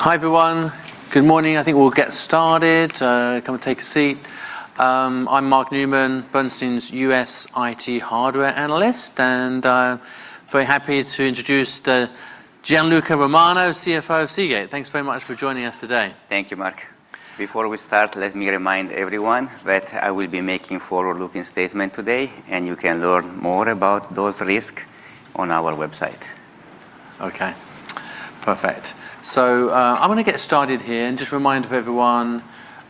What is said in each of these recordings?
Hi, everyone. Good morning. I think we'll get started, come and take a seat. I'm Mark Newman, Bernstein's U.S. IT hardware analyst, and I'm very happy to introduce the Gianluca Romano, CFO of Seagate. Thanks very much for joining us today. Thank you, Mark. Before we start, let me remind everyone that I will be making forward-looking statement today, you can learn more about those risk on our website. Okay, perfect. I want to get started here and just remind everyone,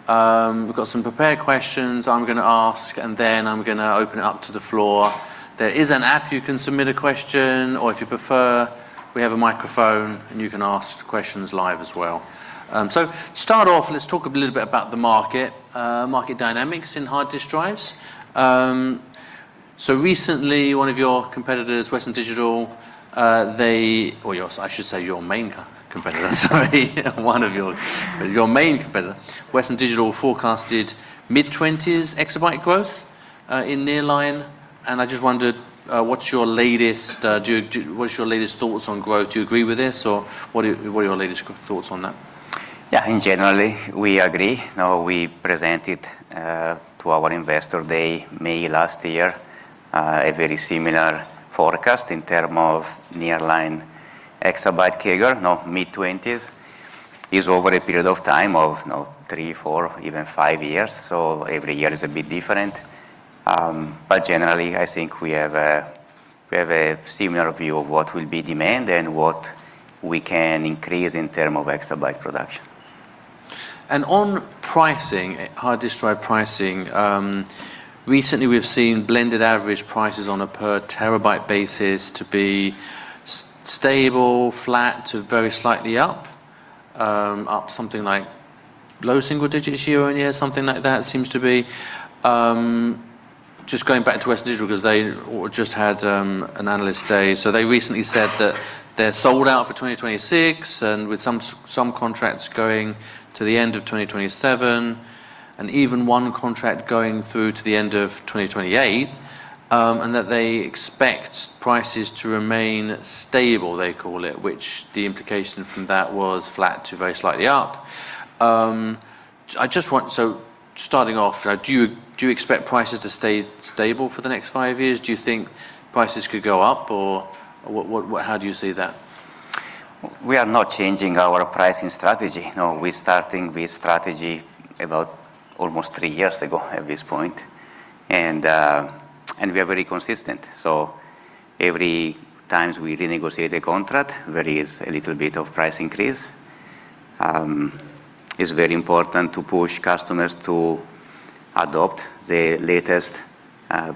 we've got some prepared questions I'm gonna ask, and then I'm gonna open it up to the floor. There is an app you can submit a question, or if you prefer, we have a microphone, and you can ask questions live as well. To start off, let's talk a little bit about the market dynamics in hard disk drives. Recently, one of your competitors, Western Digital, or your, I should say, your main competitor, sorry, Your main competitor, Western Digital, forecasted mid-20s exabyte growth, in nearline, and I just wondered, what's your latest, do what is your latest thoughts on growth? Do you agree with this, or what are, what are your latest thoughts on that? Yeah, in generally, we agree. We presented to our investor day, May last year, a very similar forecast in term of nearline exabyte CAGR, now mid-20s, is over a period of time of, you know, three, four, even five years. Every year is a bit different. I think we have a similar view of what will be demand and what we can increase in term of exabyte production. On pricing, hard disk drive pricing, recently, we've seen blended average prices on a per terabyte basis to be stable, flat, to very slightly up. Up something like low single digits year-on-year, something like that seems to be. Just going back to Western Digital because they just had an analyst day. They recently said that they're sold out for 2026, and with some contracts going to the end of 2027, and even one contract going through to the end of 2028, and that they expect prices to remain stable, they call it, which the implication from that was flat to very slightly up. Starting off, do you expect prices to stay stable for the next five years? Do you think prices could go up, or what, how do you see that? We are not changing our pricing strategy. No, we starting this strategy about almost three years ago at this point, and we are very consistent. Every time we renegotiate a contract, there is a little bit of price increase. It's very important to push customers to adopt the latest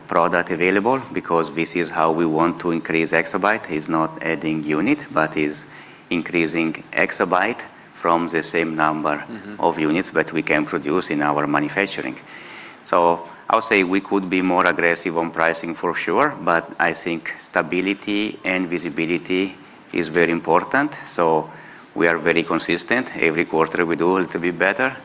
product available because this is how we want to increase exabyte. It's not adding unit, but is increasing exabyte from the same number-... of units that we can produce in our manufacturing. I'll say we could be more aggressive on pricing, for sure, but I think stability and visibility is very important. We are very consistent. Every quarter, we do it to be better.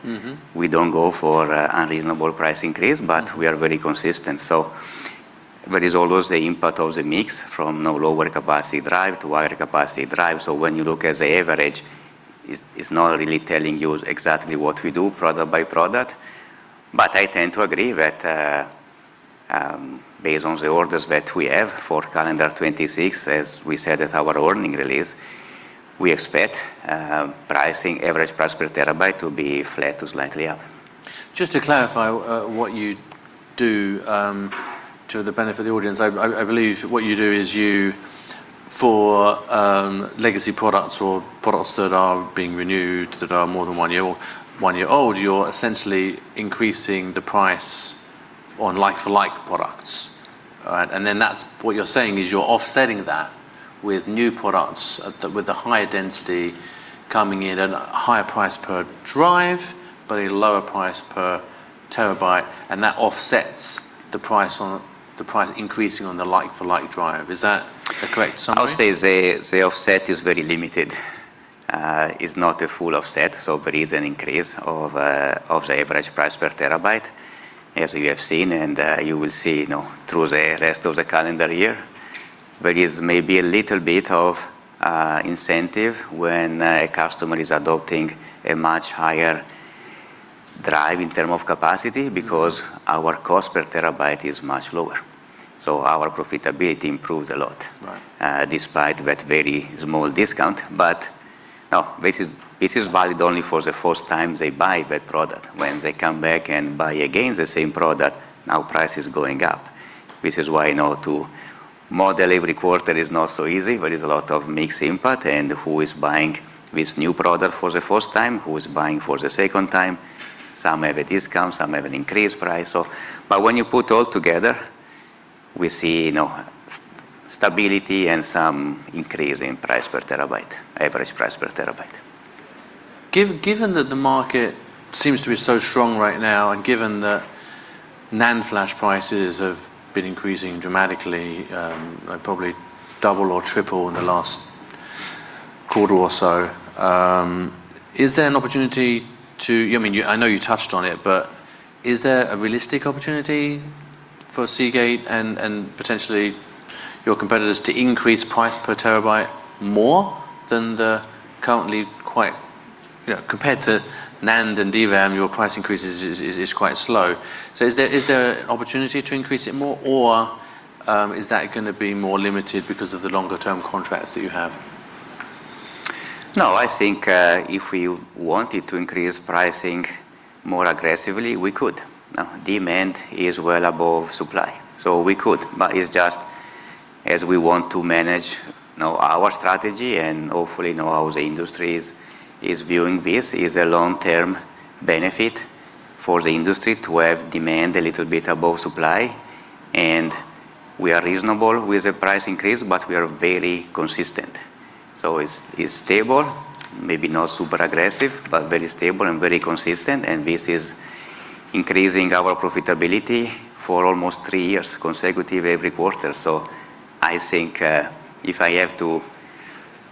We don't go for unreasonable price increase. We are very consistent. There is always the input of the mix from, you know, lower capacity drive to higher capacity drive. When you look at the average, it's not really telling you exactly what we do product by product. I tend to agree that, based on the orders that we have for calendar 2026, as we said at our earning release, we expect pricing, average price per terabyte to be flat to slightly up. Just to clarify, what you do, to the benefit of the audience. I believe what you do is you, for, legacy products or products that are being renewed, that are more than 1 year or 1 year old, you're essentially increasing the price on like-for-like products. All right? What you're saying is you're offsetting that with new products, with a higher density coming in at a higher price per drive, but a lower price per terabyte, and that offsets the price increasing on the like-for-like drive. Is that a correct summary? I would say the offset is very limited. It's not a full offset, so there is an increase of the average price per terabyte, as you have seen, and you will see, you know, through the rest of the calendar year. Is maybe a little bit of incentive when a customer is adopting a much higher drive in term of capacity.... because our cost per terabyte is much lower, so our profitability improves a lot. Right... despite that very small discount. Now, this is valid only for the first time they buy that product. When they come back and buy again the same product, now price is going up. This is why, you know, to model every quarter is not so easy. There is a lot of mixed input and who is buying this new product for the first time, who is buying for the second time. Some have a discount, some have an increased price, so. When you put all together, we see, you know, stability and some increase in price per terabyte, average price per terabyte. Given that the market seems to be so strong right now, given that NAND flash prices have been increasing dramatically, probably double or triple in the last quarter or so, is there an opportunity to, I mean, I know you touched on it, but is there a realistic opportunity? For Seagate and potentially your competitors to increase price per terabyte more than the currently quite, you know, compared to NAND and DRAM, your price increases is quite slow. Is there opportunity to increase it more, or is that gonna be more limited because of the longer term contracts that you have? No, I think, if we wanted to increase pricing more aggressively, we could. Demand is well above supply, so we could. It's just as we want to manage, now, our strategy and hopefully know how the industry is viewing this, is a long-term benefit for the industry to have demand a little bit above supply, and we are reasonable with the price increase, but we are very consistent. It's, it's stable, maybe not super aggressive, but very stable and very consistent, and this is increasing our profitability for almost three years consecutive every quarter. I think, if I have to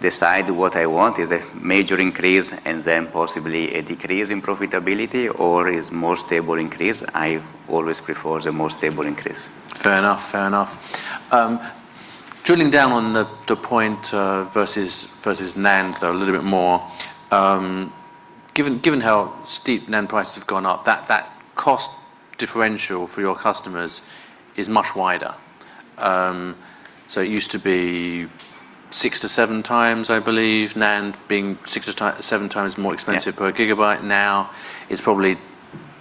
decide what I want, is a major increase and then possibly a decrease in profitability, or is more stable increase, I always prefer the more stable increase. Fair enough. Fair enough. drilling down on the point versus NAND though a little bit more. given how steep NAND prices have gone up, that cost differential for your customers is much wider. It used to be six to seven times, I believe, NAND being six to seven times more expensive. Yeah... per gigabyte. It's probably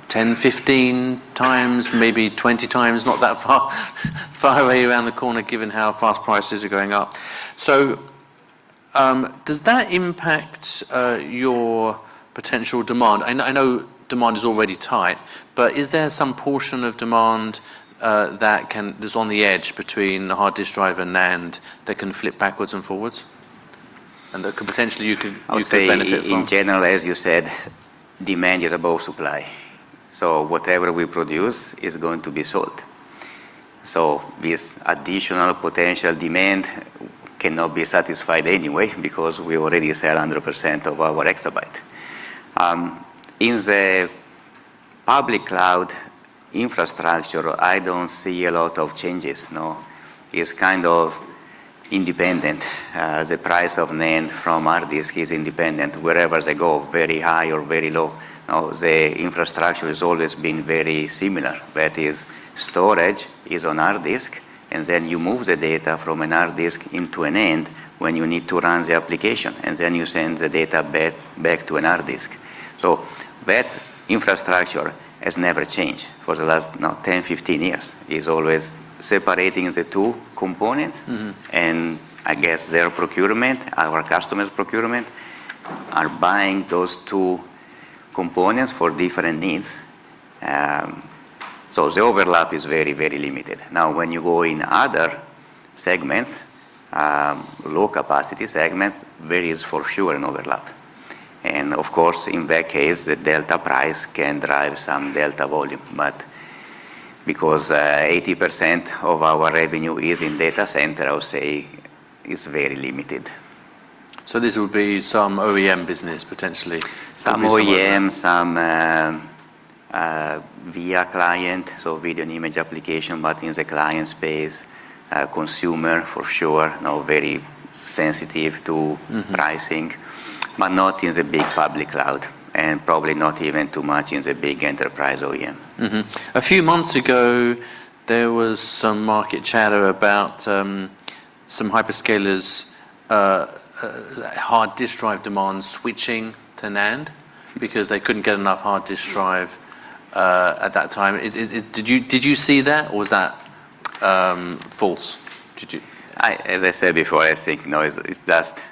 10, 15 times, maybe 20 times, not that far, far away around the corner, given how fast prices are going up. Does that impact your potential demand? I know demand is already tight, but is there some portion of demand that's on the edge between a hard disk drive and NAND that can flip backwards and forwards, and that could potentially you could benefit from? I would say in general, as you said, demand is above supply, so whatever we produce is going to be sold. This additional potential demand cannot be satisfied anyway because we already sell 100% of our exabyte. In the public cloud infrastructure, I don't see a lot of changes. It's kind of independent. The price of NAND from hard disk is independent. Wherever they go, very high or very low, now, the infrastructure is always being very similar. That is, storage is on hard disk, and then you move the data from a hard disk into an NAND when you need to run the application, and then you send the data back to a hard disk. That infrastructure has never changed for the last, now, 10, 15 years. It's always separating the two components. I guess their procurement, our customers' procurement, are buying those two components for different needs. The overlap is very, very limited. When you go in other segments, low capacity segments, there is for sure an overlap, and of course, in that case, the delta price can drive some delta volume. Because 80% of our revenue is in data center, I would say it's very limited. This would be some OEM business, potentially? Some OEM, some VIA client, so video and image application, but in the client space, consumer for sure, now very sensitive to...... pricing, but not in the big public cloud, and probably not even too much in the big enterprise OEM. A few months ago, there was some market chatter about some hyperscalers' hard disk drive demand switching to NAND because they couldn't get enough hard disk drive at that time. Did you see that, or was that false? As I said before, I think, no, it's just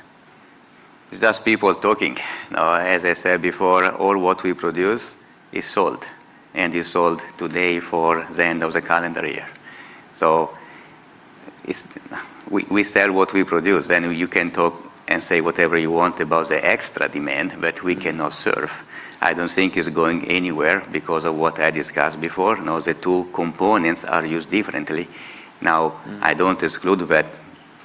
people talking. As I said before, all what we produce is sold, and is sold today for the end of the calendar year. We sell what we produce. You can talk and say whatever you want about the extra demand that we cannot serve. I don't think it's going anywhere because of what I discussed before. The two components are used differently. I don't exclude that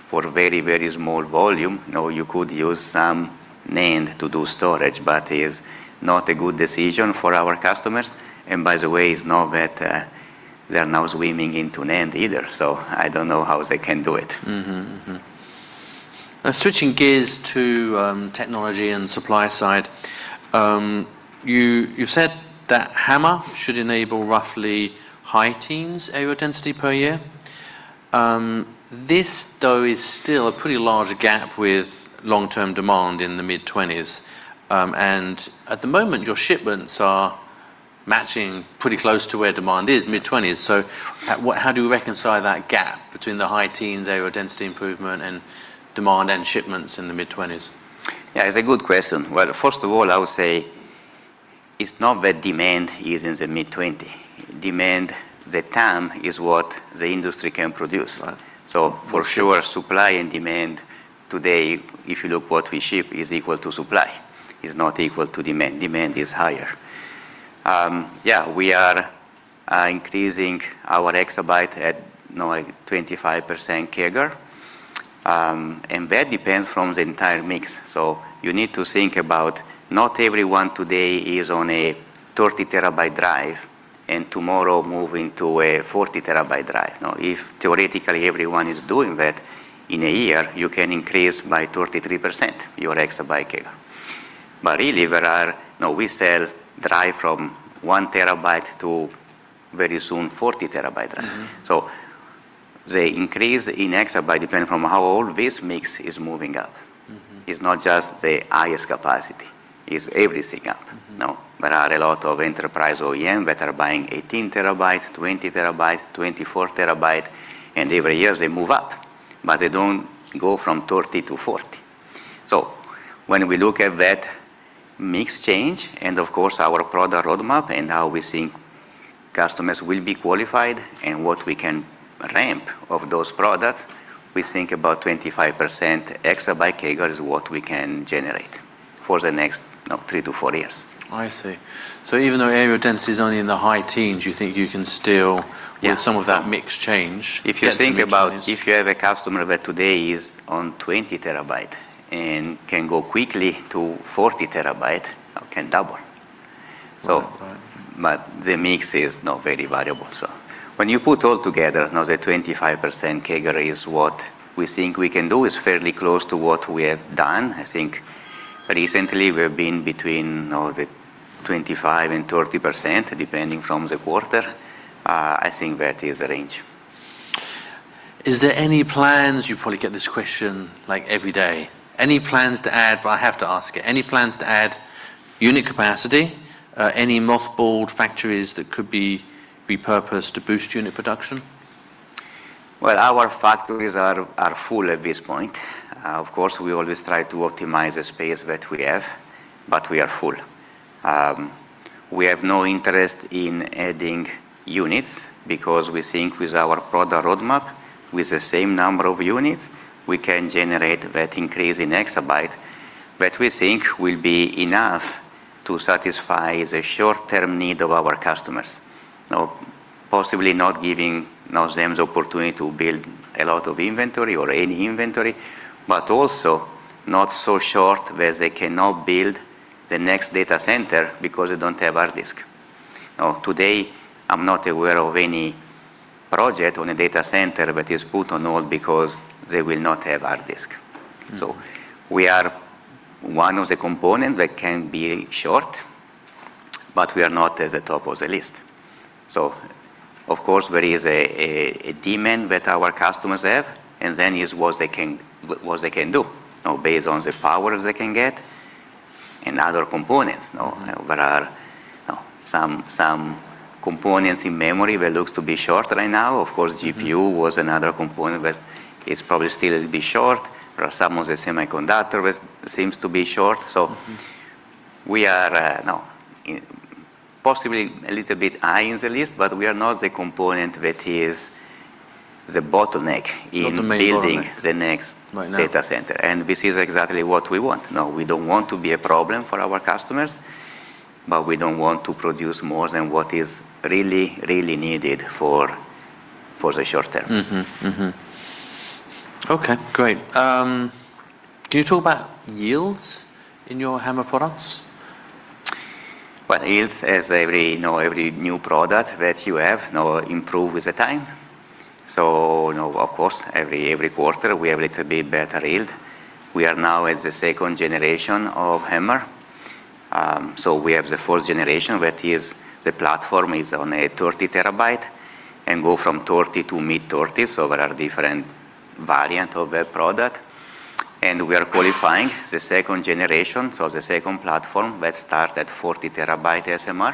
for very, very small volume. You know, you could use some NAND to do storage. It's not a good decision for our customers. By the way, it's not that they are now swimming into NAND either. I don't know how they can do it. Switching gears to technology and supply side, you said that HAMR should enable roughly high teens areal density per year. This, though, is still a pretty large gap with long-term demand in the mid-twenties. At the moment, your shipments are matching pretty close to where demand is, mid-twenties. How do you reconcile that gap between the high teens areal density improvement and demand and shipments in the mid-twenties? It's a good question. Well, first of all, I would say it's not that demand is in the mid-20. Demand, the TAM, is what the industry can produce. Right. For sure, supply and demand today, if you look what we ship, is equal to supply. It's not equal to demand. Demand is higher. Yeah, we are increasing our exabyte at, you know, like 25% CAGR. That depends from the entire mix. You need to think about not everyone today is on a 30 terabyte drive, and tomorrow moving to a 40 terabyte drive. Now, if theoretically everyone is doing that, in a year, you can increase by 33% your Exabyte CAGR. Really No, we sell drive from 1 terabyte to, very soon, 40 terabyte. The increase in exabyte, depending from how all this mix is moving up.... is not just the highest capacity, it's everything up. There are a lot of enterprise OEM that are buying 18 terabyte, 20 terabyte, 24 terabyte, and every year they move up, but they don't go from 30 to 40. When we look at that mix change, and of course, our product roadmap, and how we think customers will be qualified and what we can ramp of those products, we think about 25% exabyte CAGR is what we can generate for the next, now, 3 to 4 years. I see. Even though areal density is only in the high teens, you think you can still- Yes get some of that mix change? If you think about, if you have a customer that today is on 20 terabyte and can go quickly to 40 terabyte, can double. Right, right. The mix is not very variable. When you put all together, now the 25% CAGR is what we think we can do, is fairly close to what we have done. I think recently we've been between, you know, the 25% and 30%, depending from the quarter. I think that is the range. You probably get this question, like, every day. I have to ask it, any plans to add unit capacity, any mothballed factories that could be repurposed to boost unit production? Well, our factories are full at this point. Of course, we always try to optimize the space that we have, but we are full. We have no interest in adding units because we think with our product roadmap, with the same number of units, we can generate that increase in exabyte, that we think will be enough to satisfy the short-term need of our customers. Possibly not giving now them the opportunity to build a lot of inventory or any inventory, but also not so short, whereas they cannot build the next data center because they don't have our disk. Today, I'm not aware of any project on a data center that is put on hold because they will not have our disk. We are one of the components that can be short, but we are not at the top of the list. Of course, there is a demand that our customers have, and then here's what they can do, now, based on the power they can get and other components. There are some components in memory that looks to be short right now. Of course, GPU was another component, but it's probably still a bit short. There are some of the semiconductor, which seems to be short. We are now, possibly a little bit high in the list, but we are not the component that is the bottleneck- Not the main bottleneck.... in building the next- Right, now.... data center. This is exactly what we want. No, we don't want to be a problem for our customers, we don't want to produce more than what is really needed for the short term. Okay, great. Can you talk about yields in your HAMR products? Yields, as every, you know, every new product that you have, now, improve with the time. You know, of course, every quarter, we have little bit better yield. We are now at the second generation of HAMR. We have the fourth generation, where is the platform is on a 30 terabyte, and go from 30 to mid-30s. There are different variant of the product, and we are qualifying the second generation, so the second platform, which start at 40 terabyte SMR,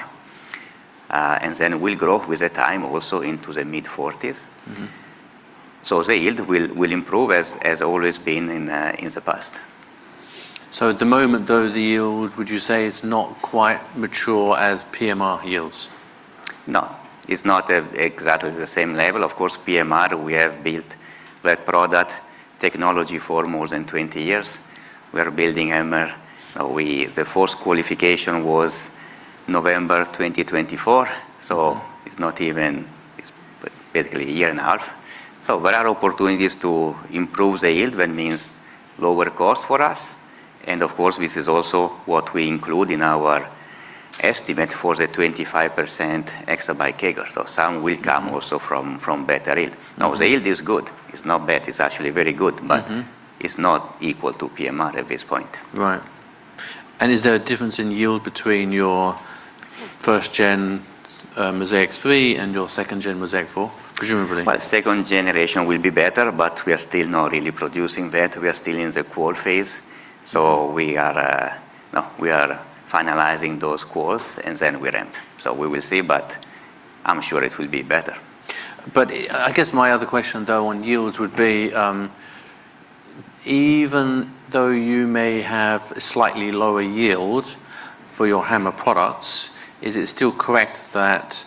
and then will grow with the time also into the mid-40s. The yield will improve, as always been in the past. At the moment, though, the yield, would you say, is not quite mature as PMR yields? It's not exactly the same level. Of course, PMR, we have built that product technology for more than 20 years. We are building HAMR. The first qualification was November 2024, so it's not even. It's basically a year and a half. There are opportunities to improve the yield, that means lower cost for us, and of course, this is also what we include in our estimate for the 25% Exabyte CAGR. Some will come also from better yield. The yield is good. It's not bad, it's actually very good. It's not equal to PMR at this point. Right. Is there a difference in yield between your first gen, Mozaic 3+ and your second gen Mozaic 4+? Presumably. Second generation will be better. We are still not really producing that. We are still in the qual phase. We are, now, we are finalizing those quals, and then we ramp. We will see, but I'm sure it will be better. I guess my other question, though, on yields would be, even though you may have a slightly lower yield for your HAMR products, is it still correct that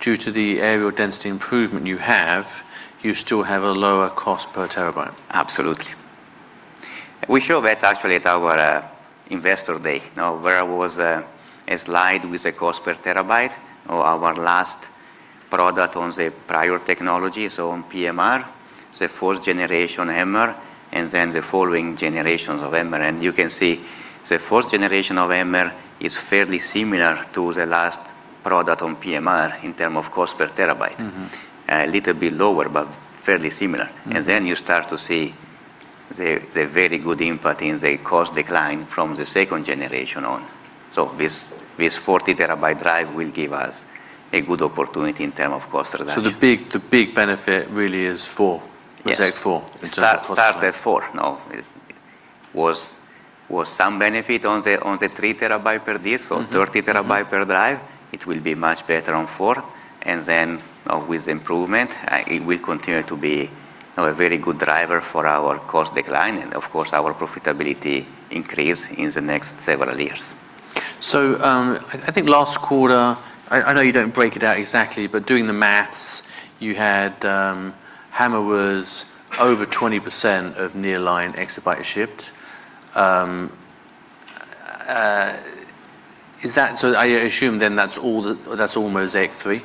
due to the areal density improvement you have, you still have a lower cost per terabyte? Absolutely. We show that actually at our investor day. There was a slide with a cost per terabyte of our last product on the prior technology, so on PMR, the fourth generation HAMR, then the following generations of HAMR. You can see the fourth generation of HAMR is fairly similar to the last product on PMR in term of cost per terabyte. A little bit lower, but fairly similar. Then you start to see the very good impact in the cost decline from the second generation on. This, this 40 terabyte drive will give us a good opportunity in term of cost reduction. The big benefit really is four- Yes. Mozaic 4. Start at 4. Was some benefit on the 3 terabyte per disk... 30 terabyte per drive, it will be much better on four. With improvement, it will continue to be a very good driver for our cost decline, and of course, our profitability increase in the next several years. I think last quarter, I know you don't break it out exactly, but doing the maths you had, HAMR was over 20% of nearline exabyte shipped. Is that... I assume then that's all Mozaic 3+,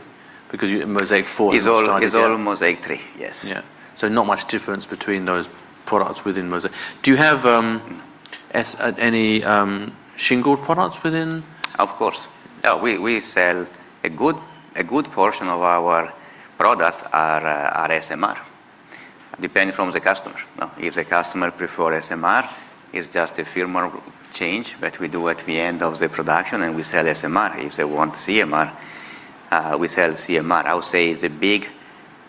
because Mozaic 4+? It's all Mozaic 3+. Yes. Yeah. Not much difference between those products within Mozaic. Do you have any shingled products within? Of course. Yeah, we sell a good portion of our products are SMR, depending from the customer. If the customer prefer SMR, it's just a firmware change that we do at the end of the production, we sell SMR. If they want CMR, we sell CMR. I would say the big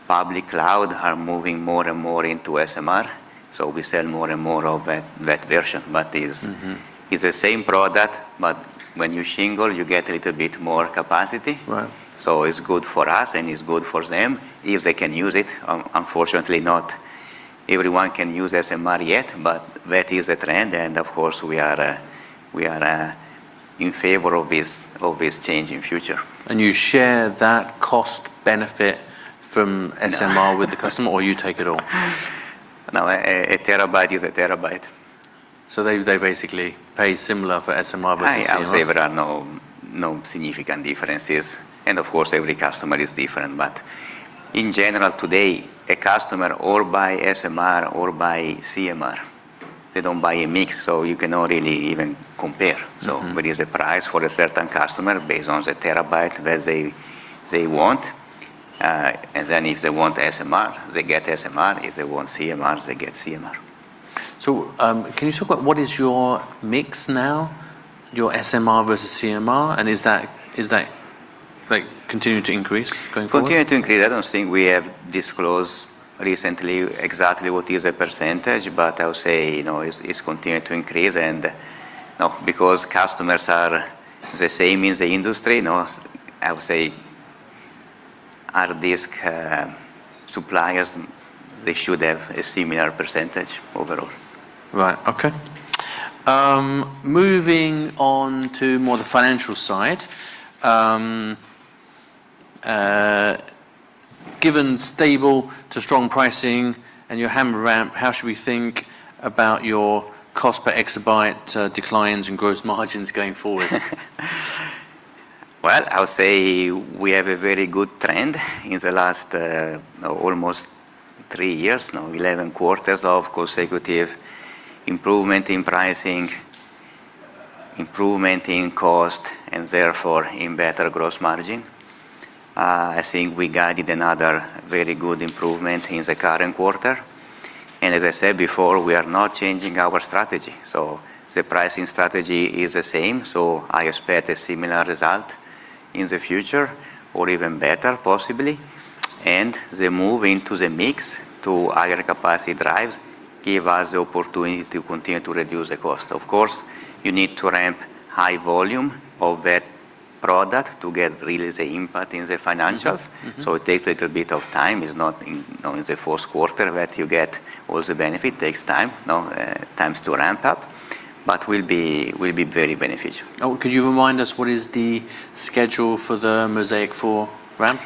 public cloud are moving more and more into SMR, we sell more and more of that version. is the same product, but when you shingle, you get a little bit more capacity. Right. It's good for us, and it's good for them if they can use it. Unfortunately, not everyone can use SMR yet, but that is a trend, and of course, we are in favor of this, of this change in future. You share that cost benefit from SMR. No with the customer, or you take it all? No, a terabyte is a terabyte. They basically pay similar for SMR versus CMR? I would say there are no significant differences, and of course, every customer is different. In general, today, a customer or buy SMR or buy CMR. They don't buy a mix, so you cannot really even compare. But there's a price for a certain customer based on the terabyte that they want. And then if they want SMR, they get SMR. If they want CMR, they get CMR. Can you talk about what is your mix now, your SMR versus CMR, and is that, like, continuing to increase going forward? Continuing to increase. I don't think we have disclosed recently exactly what is the percentage, but I would say, you know, it's continuing to increase. Now, because customers are the same in the industry, you know, I would say our disk suppliers, they should have a similar percentage overall. Right. Okay. Moving on to more the financial side, given stable to strong pricing and your HAMR ramp, how should we think about your cost per exabyte declines and gross margins going forward? Well, I would say we have a very good trend in the last, almost 3 years now, 11 quarters of consecutive improvement in pricing, improvement in cost, and therefore in better gross margin. I think we guided another very good improvement in the current quarter. As I said before, we are not changing our strategy, so the pricing strategy is the same, so I expect a similar result in the future or even better, possibly. The move into the mix to higher capacity drives give us the opportunity to continue to reduce the cost. Of course, you need to ramp high volume of that product to get really the impact in the financials. It takes a little bit of time. It's not in, you know, in the Q4 that you get all the benefit. It takes time, now, times to ramp up, but will be very beneficial. Oh, could you remind us what is the schedule for the Mozaic 4+ ramp?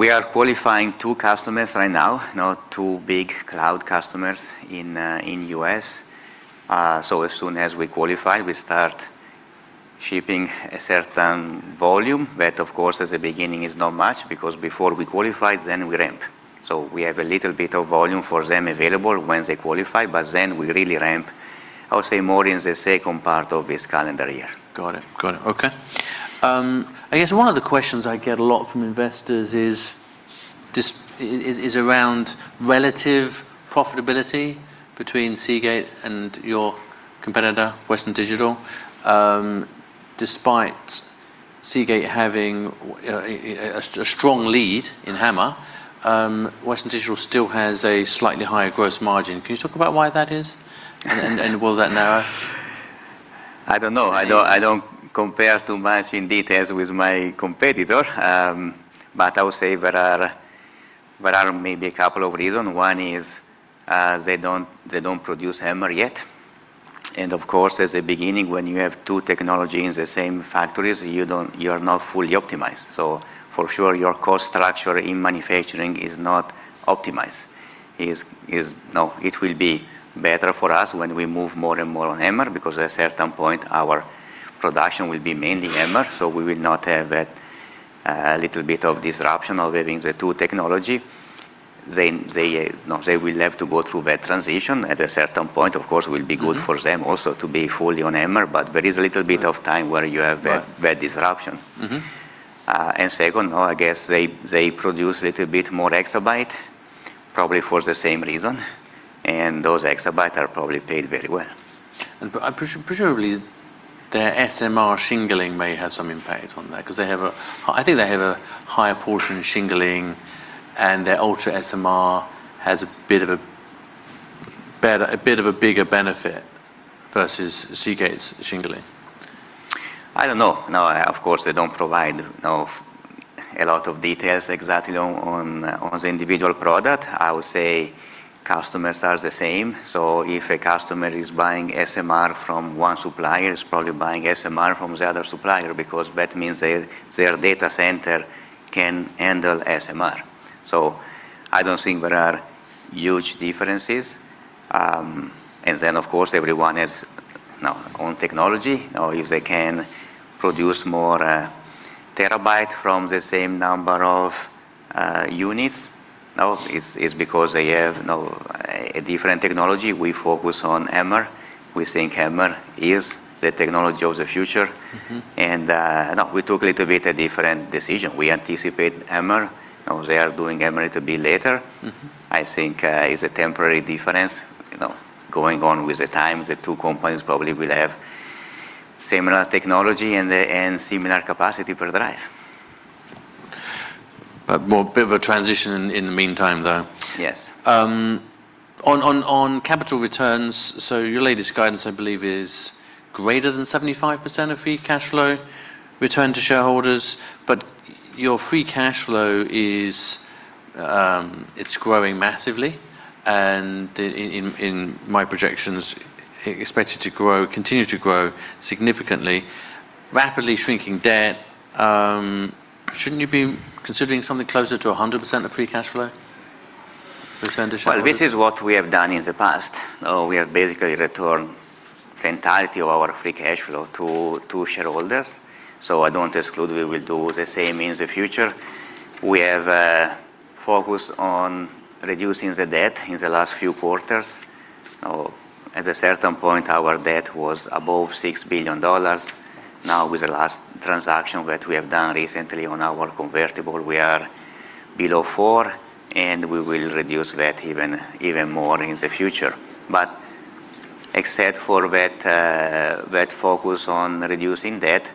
We are qualifying 2 customers right now, 2 big cloud customers in U.S. As soon as we qualify, we start shipping a certain volume. Of course, as a beginning is not much because before we qualify, then we ramp. We have a little bit of volume for them available when they qualify, but then we really ramp, I would say, more in the second part of this calendar year. Got it. Got it. Okay. I guess one of the questions I get a lot from investors is this is around relative profitability between Seagate and your competitor, Western Digital. Despite Seagate having a strong lead in HAMR, Western Digital still has a slightly higher gross margin. Can you talk about why that is? Will that narrow? I don't know. I don't compare too much in details with my competitor. I would say there are maybe a couple of reason. One is, they don't produce HAMR yet. Of course, as a beginning, when you have two technology in the same factories, you are not fully optimized. For sure, your cost structure in manufacturing is not optimized. No, it will be better for us when we move more and more on HAMR, because at a certain point, our production will be mainly HAMR, so we will not have that little bit of disruption of having the two technology. They, no, they will have to go through that transition at a certain point. Of course, it will be good. for them also to be fully on HAMR, but there is a little bit of time where you have. Right that disruption. Second, I guess they produce a little bit more exabyte, probably for the same reason, and those exabyte are probably paid very well. presumably, their SMR shingling may have some impact on that, 'cause I think they have a higher portion of shingling, and their UltraSMR has a bit of a better, a bit of a bigger benefit versus Seagate's shingling. I don't know. Of course, they don't provide, you know, a lot of details exactly on the individual product. I would say customers are the same. If a customer is buying SMR from one supplier, is probably buying SMR from the other supplier, because that means their data center can handle SMR. I don't think there are huge differences. Of course, everyone is now on technology. Now, if they can produce more terabyte from the same number of units, now, it's because they have now a different technology. We focus on HAMR. We think HAMR is the technology of the future. Now we took a little bit a different decision. We anticipate HAMR, now they are doing HAMR a little bit later. I think it's a temporary difference. You know, going on with the times, the two companies probably will have similar technology and similar capacity per drive. A more bit of a transition in the meantime, though. Yes. On capital returns, so your latest guidance, I believe, is greater than 75% of free cash flow return to shareholders, but your free cash flow is growing massively, and in my projections, expected to grow, continue to grow significantly, rapidly shrinking debt. Shouldn't you be considering something closer to 100% of free cash flow return to shareholders? This is what we have done in the past. We have basically returned the entirety of our free cash flow to shareholders, so I don't exclude we will do the same in the future. We have focused on reducing the debt in the last few quarters. At a certain point, our debt was above $6 billion. With the last transaction that we have done recently on our convertible, we are below $4 billion, and we will reduce that even more in the future. Except for that focus on reducing debt,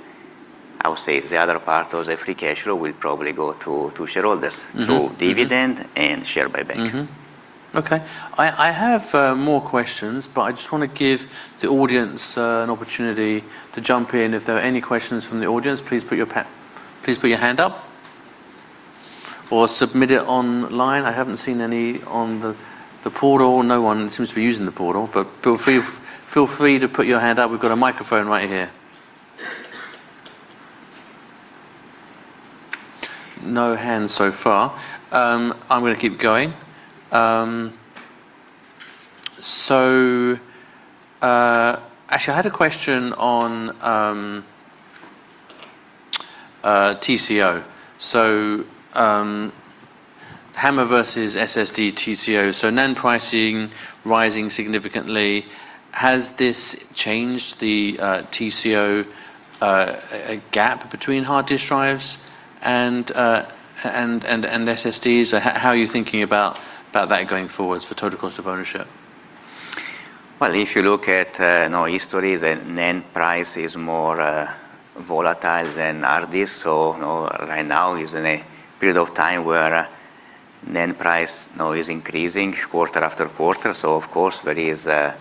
I would say the other part of the free cash flow will probably go to shareholders.... through dividend and share buyback. Okay. I have more questions, but I just want to give the audience an opportunity to jump in. If there are any questions from the audience, please put your hand up or submit it online. I haven't seen any on the portal. No one seems to be using the portal, but feel free to put your hand up. We've got a microphone right here. No hands so far. I'm gonna keep going. Actually, I had a question on TCO. HAMR versus SSD TCO. NAND pricing rising significantly, has this changed the TCO gap between hard disk drives and SSDs? How are you thinking about that going forward for total cost of ownership? If you look at, you know, history, the NAND price is more volatile than hard disk. Right now is in a period of time where NAND price now is increasing quarter after quarter. Of course, there is an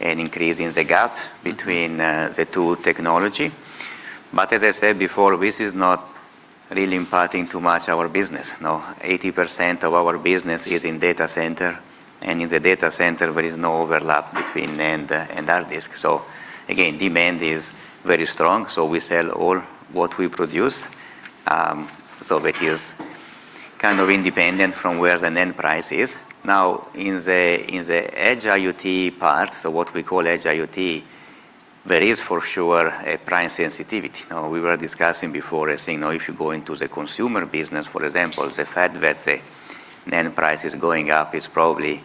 increase in the gap between the two technology. As I said before, this is not really impacting too much our business. 80% of our business is in data center, and in the data center, there is no overlap between NAND and hard disk. Again, demand is very strong, so we sell all what we produce. That is kind of independent from where the NAND price is. In the, in the Edge IoT part, what we call Edge IoT, there is for sure a price sensitivity. We were discussing before, saying now if you go into the consumer business, for example, the fact that the NAND price is going up is probably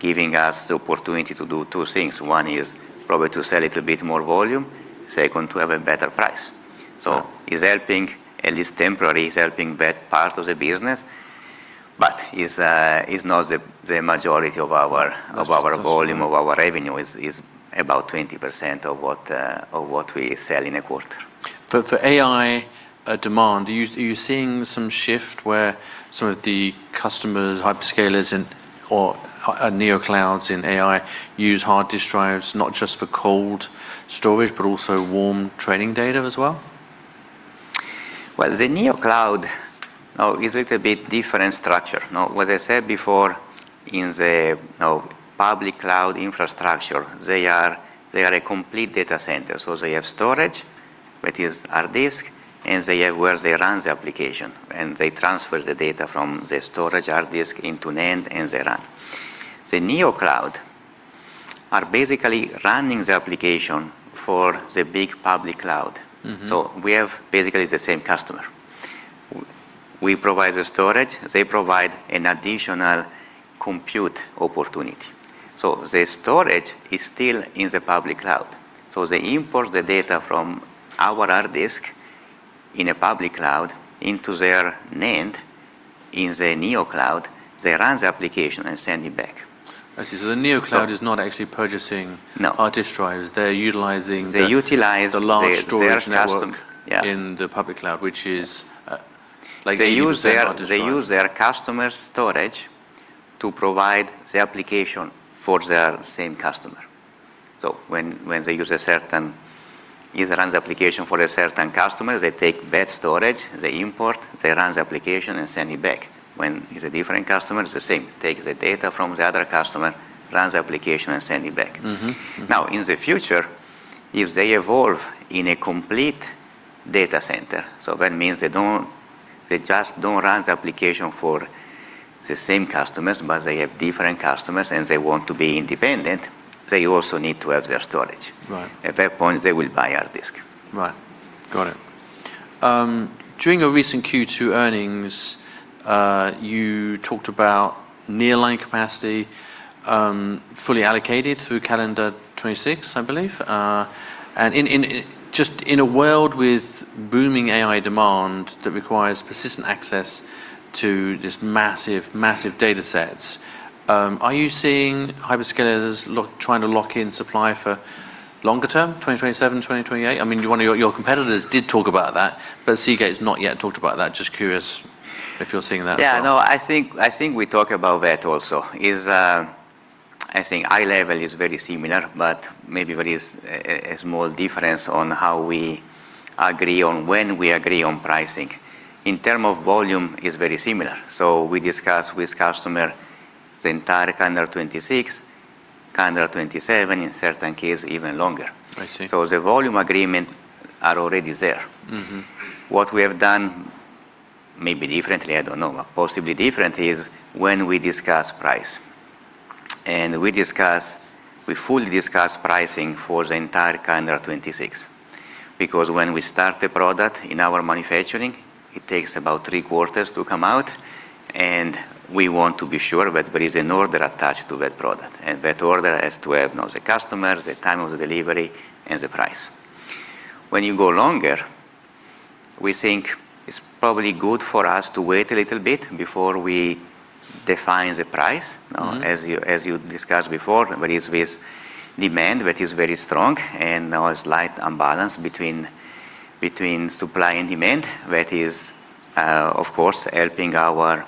giving us the opportunity to do 2 things. One is probably to sell a little bit more volume, second, to have a better price. it's helping, at least temporarily, it's helping that part of the business, but it's not the majority of... Of course.... of our volume, of our revenue, is about 20% of what, of what we sell in a quarter. For AI demand, are you seeing some shift where some of the customers, hyperscalers and, or near cloud in AI, use hard disk drives, not just for cold storage, but also warm training data as well? Well, the near cloud, now is a little bit different structure. What I said before in the, you know, public cloud infrastructure, they are a complete data center. They have storage, that is hard disk, and they have where they run the application, and they transfer the data from the storage hard disk into NAND, and they run. The near cloud are basically running the application for the big public cloud. We have basically the same customer. We provide the storage, they provide an additional compute opportunity. The storage is still in the public cloud. They import the data from our hard disk in a public cloud into their NAND in the near cloud, they run the application, and send it back. I see. The near cloud... So- is not actually purchasing No... hard disk drives, they're utilizing. They utilize their customer- the large storage network Yeah... in the public cloud, which is. They use. using hard disk drives... they use their customer's storage to provide the application for their same customer. When they run the application for a certain customer, they take that storage, they import, they run the application, and send it back. When it's a different customer, it's the same. Take the data from the other customer, run the application, and send it back. In the future, if they evolve in a complete data center, so that means they just don't run the application for the same customers, but they have different customers, and they want to be independent, they also need to have their storage. Right. At that point, they will buy our disk. Right. Got it. During a recent Q2 earnings, you talked about nearline capacity fully allocated through calendar 2026, I believe. Just in a world with booming AI demand that requires persistent access to just massive data sets, are you seeing hyperscalers trying to lock in supply for longer term, 2027, 2028? I mean, one of your competitors did talk about that, but Seagate has not yet talked about that. Just curious if you're seeing that as well. Yeah, no, I think, I think we talk about that also. Is, I think eye level is very similar, but maybe there is a small difference on how we agree on when we agree on pricing. In term of volume, it's very similar. We discuss with customer the entire calendar 2026, calendar 2027, in certain case, even longer. I see. The volume agreement are already there. What we have done maybe differently, I don't know, possibly different, is when we discuss price. We discuss, we fully discuss pricing for the entire calendar 2026. When we start a product in our manufacturing, it takes about three quarters to come out, and we want to be sure that there is an order attached to that product, and that order has to have know the customer, the time of the delivery, and the price. When you go longer, we think it's probably good for us to wait a little bit before we define the price. As you discussed before, there is this demand that is very strong, and now a slight imbalance between supply and demand. That is, of course, helping our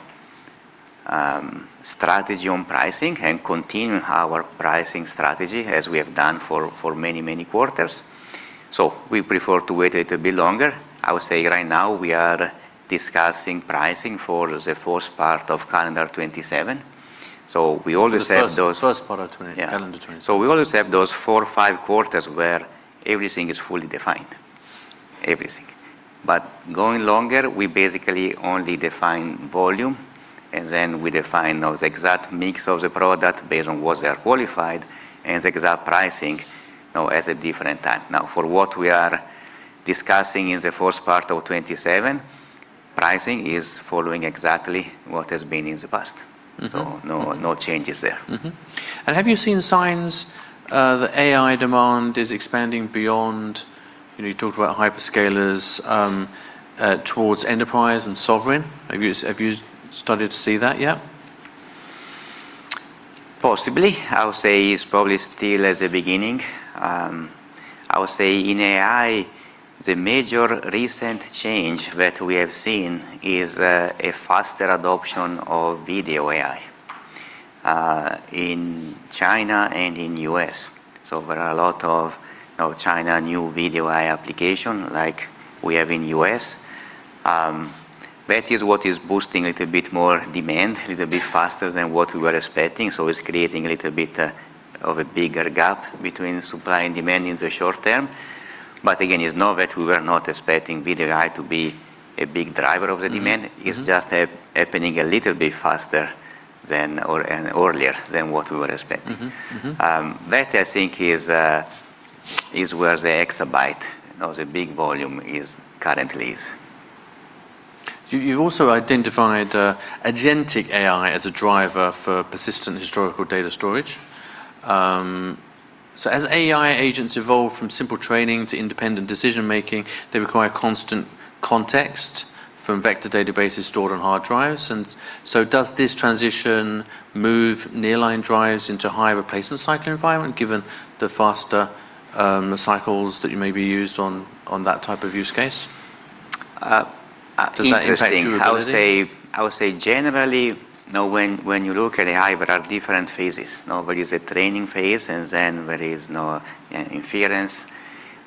strategy on pricing and continue our pricing strategy as we have done for many quarters. We prefer to wait a little bit longer. I would say right now we are discussing pricing for the first part of calendar 2027. We always have those- The first part of 2020- Yeah... calendar 2027. We always have those 4, 5 quarters where everything is fully defined. Everything. Going longer, we basically only define volume, and then we define those exact mix of the product based on what they are qualified, and the exact pricing, now, at a different time. For what we are discussing in the first part of 2027, pricing is following exactly what has been in the past. No, no changes there. Have you seen signs, that AI demand is expanding beyond, you know, you talked about hyperscalers, towards enterprise and sovereign? Have you started to see that yet? Possibly. I would say it's probably still at the beginning. I would say in AI, the major recent change that we have seen is a faster adoption of video AI in China and in U.S. There are a lot of, you know, China new video AI application like we have in U.S. That is what is boosting a little bit more demand, a little bit faster than what we were expecting, so it's creating a little bit of a bigger gap between supply and demand in the short term. Again, it's not that we were not expecting video AI to be a big driver of the demand.... it's just happening a little bit faster than, or, and earlier than what we were expecting. That, I think, is where the exabyte of the big volume is, currently is. You also identified agentic AI as a driver for persistent historical data storage. As AI agents evolve from simple training to independent decision-making, they require constant context from vector databases stored on hard drives. Does this transition move nearline drives into higher replacement cycle environment, given the faster cycles that you may be used on that type of use case? Interesting. Does that impact durability? I would say generally, you know, when you look at AI, there are different phases. There is a training phase, and then there is no inference.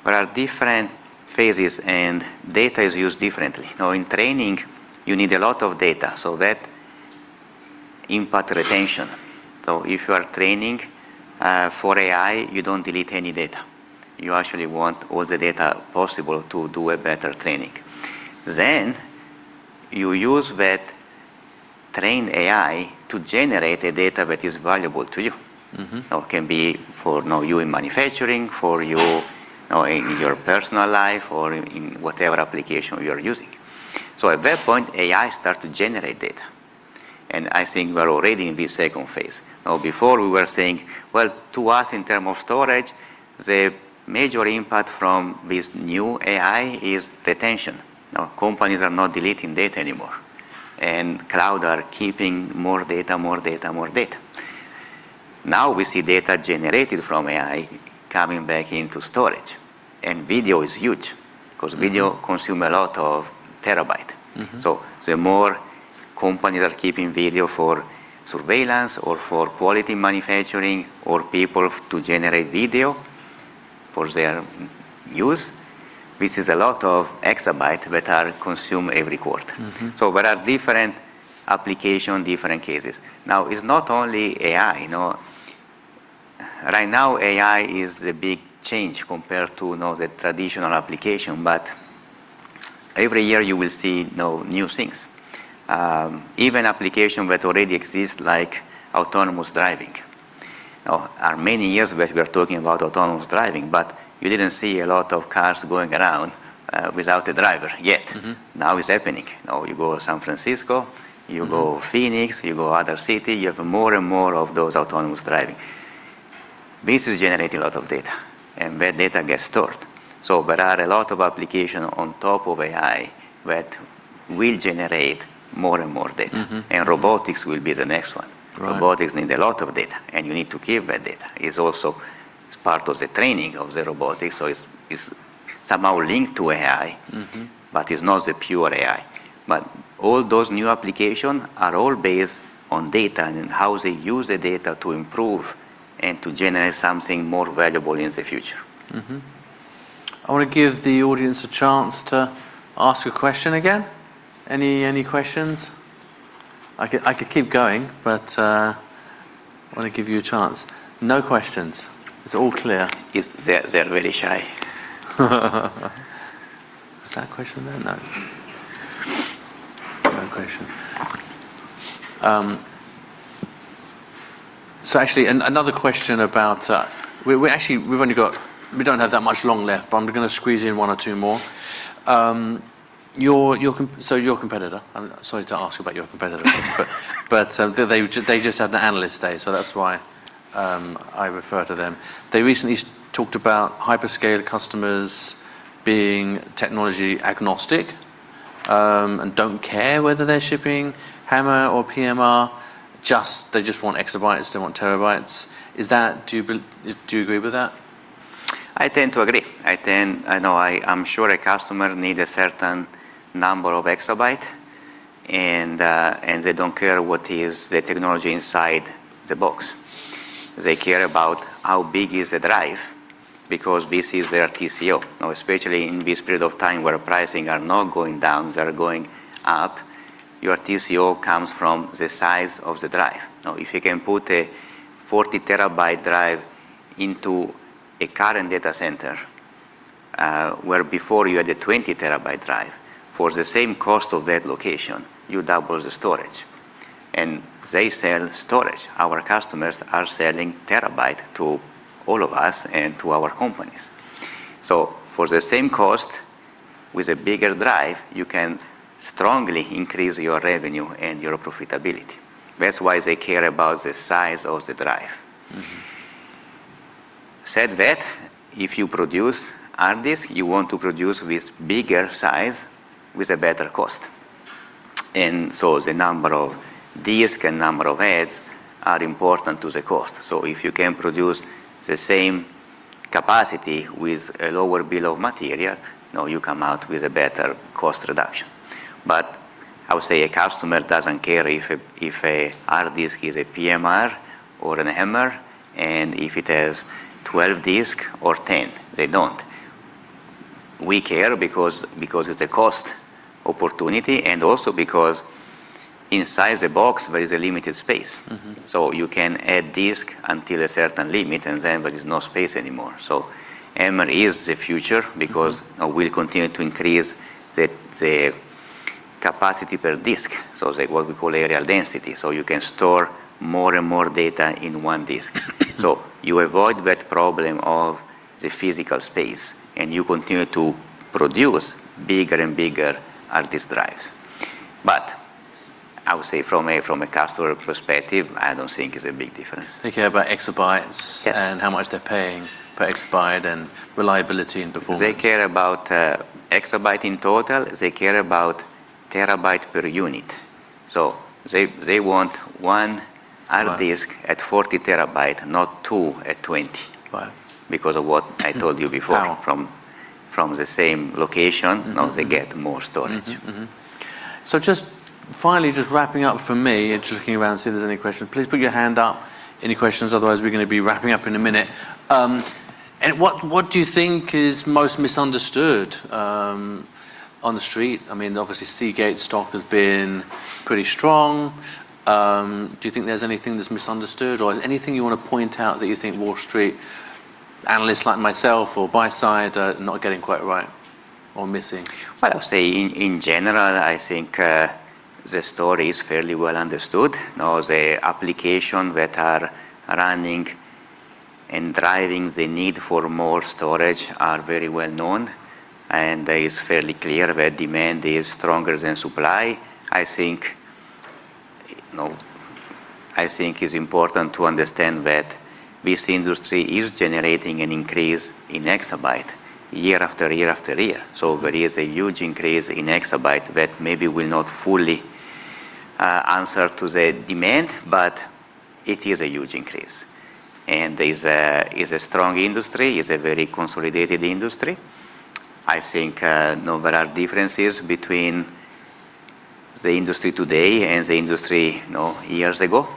There are different phases, and data is used differently. In training, you need a lot of data, so that... impact retention. If you are training for AI, you don't delete any data. You actually want all the data possible to do a better training. You use that trained AI to generate the data that is valuable to you. It can be for, you know, you in manufacturing, for you know, in your personal life or in whatever application you are using. At that point, AI starts to generate data, and I think we are already in the second phase. Before we were saying, well, to us, in term of storage, the major impact from this new AI is retention. Companies are not deleting data anymore, and cloud are keeping more data. We see data generated from AI coming back into storage, and video is huge-. 'cause video consume a lot of terabyte. Mm-hmm. The more companies are keeping video for surveillance or for quality manufacturing or people to generate video for their use, this is a lot of exabyte that are consumed every quarter. There are different application, different cases. Now, it's not only AI. You know, right now, AI is a big change compared to, you know, the traditional application, every year you will see, you know, new things. Even application that already exist, like autonomous driving. Now, are many years that we are talking about autonomous driving, you didn't see a lot of cars going around without a driver yet. Now, it's happening. Now, you go San Francisco-... you go Phoenix, you go other city, you have more and more of those autonomous driving. This is generating a lot of data, and that data gets stored. There are a lot of applications on top of AI that will generate more and more data. Robotics will be the next one. Right. Robotics need a lot of data, and you need to keep that data. It's also part of the training of the robotics, so it's somehow linked to AI.... but it's not the pure AI. All those new application are all based on data and in how they use the data to improve and to generate something more valuable in the future. Mm-hmm. I want to give the audience a chance to ask a question again. Any questions? I could keep going, but I want to give you a chance. No questions. It's all clear. Yes, they are really shy. Is that a question there? No. No question. Actually, another question about. We don't have that much long left, but I'm gonna squeeze in one or two more. Your competitor, I'm sorry to ask about your competitor, but they just had an analyst day, so that's why I refer to them. They recently talked about hyperscale customers being technology agnostic, and don't care whether they're shipping HAMR or PMR, they just want exabytes, they want terabytes. Do you agree with that? I tend to agree. I know I'm sure a customer need a certain number of exabyte, and they don't care what is the technology inside the box. They care about how big is the drive, because this is their TCO. Now, especially in this period of time, where pricing are not going down, they are going up, your TCO comes from the size of the drive. Now, if you can put a 40-terabyte drive into a current data center, where before you had a 20-terabyte drive for the same cost of that location, you double the storage. They sell storage. Our customers are selling terabyte to all of us and to our companies. For the same cost, with a bigger drive, you can strongly increase your revenue and your profitability. That's why they care about the size of the drive. Said that, if you produce hard disk, you want to produce with bigger size, with a better cost. The number of disk and number of heads are important to the cost. If you can produce the same capacity with a lower bill of materials, now you come out with a better cost reduction. I would say a customer doesn't care if a, if a hard disk is a PMR or an HAMR, and if it has 12 disk or 10. They don't. We care because it's a cost opportunity, and also because inside the box, there is a limited space. You can add disk until a certain limit, and then there is no space anymore. HAMR is the future-... because we'll continue to increase the capacity per disk, so what we call areal density, so you can store more and more data in one disk. You avoid that problem of the physical space, and you continue to produce bigger and bigger hard disk drives. I would say from a customer perspective, I don't think it's a big difference. They care about exabytes- Yes... and how much they're paying per exabyte, and reliability and performance. They care about exabyte in total. They care about terabyte per unit. They want one hard disk. Right at 40 TB, not 2 at 20- Right because of what I told you before. Power. From the same location. Now they get more storage. Mm-hmm. Mm-hmm. Just finally, just wrapping up for me, and just looking around to see if there's any questions. Please put your hand up, any questions. Otherwise, we're gonna be wrapping up in a minute. What do you think is most misunderstood on the street? I mean, obviously, Seagate stock has been pretty strong. Do you think there's anything that's misunderstood, or is anything you wanna point out that you think Wall Street analysts like myself or buy side are not getting quite right or missing? I would say in general, I think the story is fairly well understood. The application that are running and driving the need for more storage are very well known, and it's fairly clear where demand is stronger than supply. I think, you know, I think it's important to understand that this industry is generating an increase in exabyte year after year after year. There is a huge increase in exabyte that maybe will not fully answer to the demand, but it is a huge increase, and is a strong industry, is a very consolidated industry. I think now there are differences between the industry today and the industry, you know, years ago.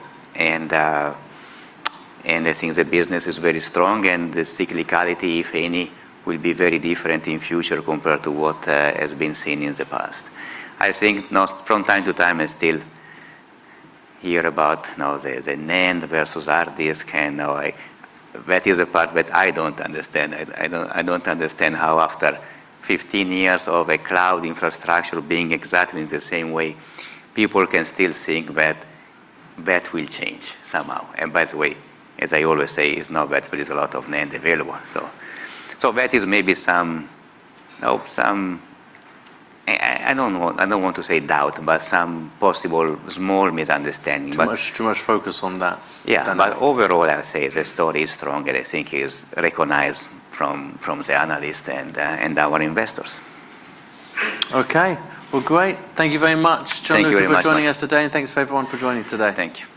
I think the business is very strong, and the cyclicality, if any, will be very different in future compared to what has been seen in the past. I think now from time to time, I still hear about the NAND versus HDD now. That is the part that I don't understand. I don't understand how after 15 years of a cloud infrastructure being exactly the same way, people can still think that that will change somehow. By the way, as I always say, it's not that, there is a lot of NAND available. That is maybe some... I don't want to say doubt, but some possible small misunderstanding, but- Too much focus on that. Yeah. And- overall, I would say the story is strong, and I think it's recognized from the analyst and our investors. Okay. Well, great. Thank you very much- Thank you very much.... Gianluca, for joining us today, and thanks for everyone for joining today. Thank you.